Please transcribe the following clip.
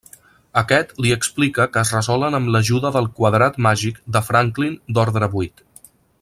Aquest li explica que es resolen amb l'ajuda del Quadrat Màgic de Franklin d'ordre vuit.